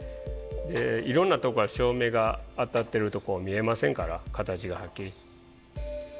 いろんなとこから照明が当たってると見えませんから形がはっきり。